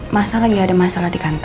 mas al lagi ada masalah di kantor